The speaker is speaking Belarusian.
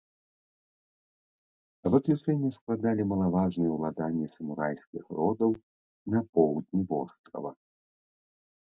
Выключэнне складалі малаважныя ўладанні самурайскіх родаў на поўдні вострава.